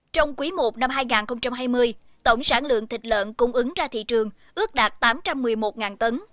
trong quý i năm hai nghìn hai mươi tổng sản lượng thịt lợn cung ứng ra thị trường ước đạt tám trăm một mươi một tấn